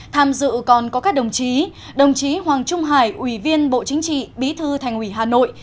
tham dự còn có các đồng chí đồng chí hoàng trung hải ủy viên bộ chính trị bí thư thành ủy hà nội